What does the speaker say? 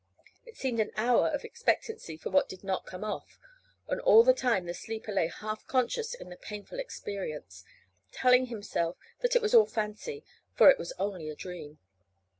It seemed an hour of expectancy for what did not come off, and all the time the sleeper lay half conscious in the painful experience, telling himself that it was all fancy, for it was only a dream.